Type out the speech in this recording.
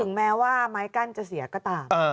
แม้ว่าไม้กั้นจะเสียก็ตาม